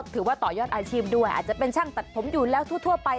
ถือว่าต่อยอดอาชีพด้วยอาจจะเป็นช่างตัดผมอยู่แล้วทั่วไป